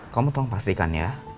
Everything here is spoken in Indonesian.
kamu tolong pastikan ya